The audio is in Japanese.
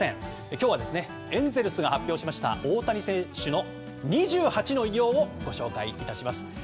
今日はエンゼルスが発表した大谷翔平選手の２８の偉業を紹介します。